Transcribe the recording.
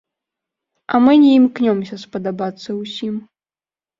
А мы не імкнёмся спадабацца ўсім.